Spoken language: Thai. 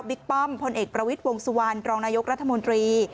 ป้อมพลเอกประวิทย์วงสุวรรณรองนายกรัฐมนตรี